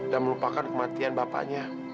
dan melupakan kematian bapaknya